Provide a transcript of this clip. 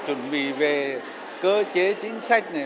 chuẩn bị về cơ chế chính sách này